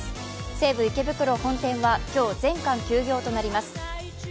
西武池袋本店は今日、全館休業となります。